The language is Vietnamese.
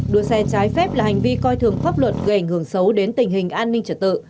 đua xe trái phép là hành vi coi thường pháp luật gây ảnh hưởng xấu đến tình hình an ninh trật tự